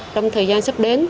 trong thời gian sắp đến